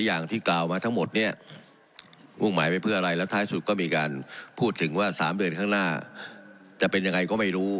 อย่างที่กล่าวมาทั้งหมดเนี่ยมุ่งหมายไปเพื่ออะไรแล้วท้ายสุดก็มีการพูดถึงว่า๓เดือนข้างหน้าจะเป็นยังไงก็ไม่รู้